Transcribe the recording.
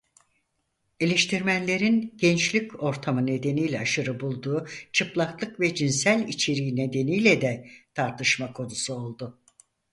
Eleştirmenlerin gençlik ortamı nedeniyle aşırı bulduğu çıplaklık ve cinsel içeriği nedeniyle de tartışma konusu oldu.